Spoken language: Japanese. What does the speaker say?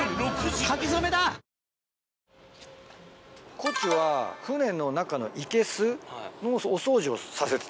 コチは船の中のいけすのお掃除をさせてたんだって。